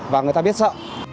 và người ta biết sợ